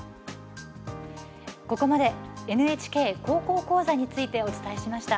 ここまで「ＮＨＫ高校講座」についてお伝えしました。